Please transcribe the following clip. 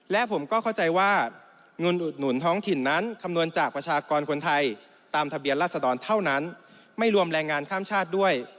และผมก็เข้าใจว่าเงินอุดหนุนท้องถิ่นนั้นคำนวณจากประชากรคนไทยตามทะเบียนราศดรเท่านั้นไม่รวมแรงงานข้ามชาติด้วย